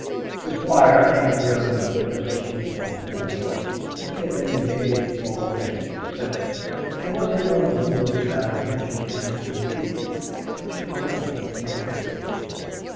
The Squire came into her room just as she was going down. He had been engaged all day at Sessions, and was in one of the moods of apprehension as to the future which but seldom came over him.